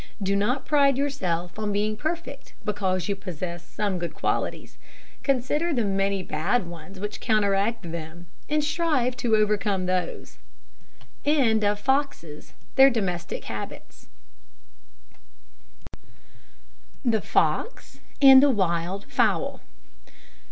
Do not pride yourself on being perfect because you possess some good qualities. Consider the many bad ones which counteract them, and strive to overcome those. THE FOX AND THE WILD FOWL.